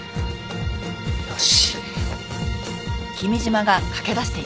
よし！